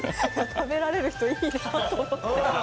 食べられるといいなと思って。